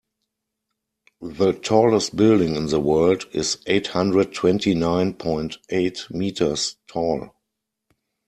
The tallest building in the world is eight hundred twenty nine point eight meters tall.